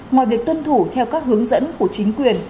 ngoài việc tuân thủ theo các hướng dẫn của chính quyền